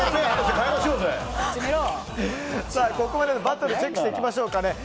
ここまでのバトルをチェックしていきましょう。